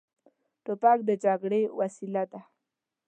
توپک د جګړې وسیله ده.